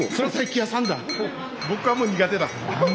僕はもう苦手だ。